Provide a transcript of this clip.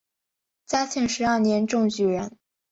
嘉庆十二年中举人。